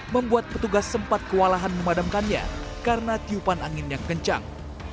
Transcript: membuat petugas sempat kewalahan memadamkannya karena tiupan angin yang kencang